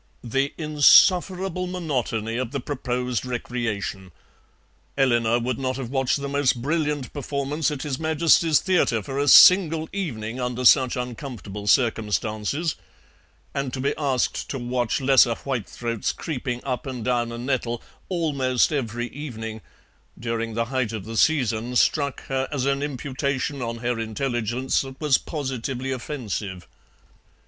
The insufferable monotony of the proposed recreation! Eleanor would not have watched the most brilliant performance at His Majesty's Theatre for a single evening under such uncomfortable circumstances, and to be asked to watch lesser whitethroats creeping up and down a nettle "almost every evening" during the height of the season struck her as an imputation on her intelligence that was positively offensive.